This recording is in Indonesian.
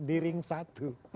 di ring satu